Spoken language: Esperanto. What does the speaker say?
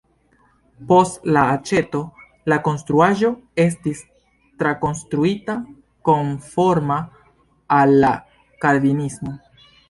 Post la aĉeto la konstruaĵo estis trakonstruita konforma al la kalvinismo.